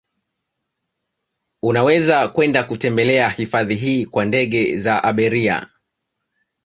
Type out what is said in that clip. Unaweza kwenda kutembelea hifadhi hii kwa ndege za abiria